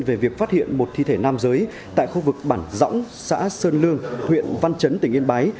về việc phát hiện một thi thể nam giới tại khu vực bản dõng xã sơn lương huyện văn chấn tỉnh yên bái